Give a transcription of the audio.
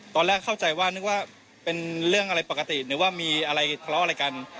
ตอนแรกเข้าใจว่านึกว่าเป็นเรื่องอะไรปกติหรือว่ามีอะไรทะเลาะอะไรกัน